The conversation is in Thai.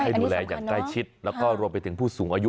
ดูแลอย่างใกล้ชิดแล้วก็รวมไปถึงผู้สูงอายุ